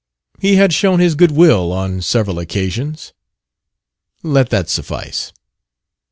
He had shown his good will on several occasions; let that suffice.